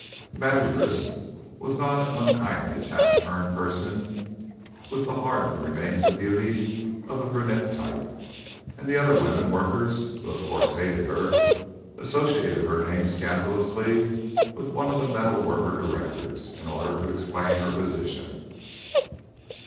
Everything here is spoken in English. The manageress was a not unkindly, taciturn person, with the hardened remains of beauty of the brunette type; and the other women workers, who of course hated her, associated her name scandalously with one of the metal work directors in order to explain her position.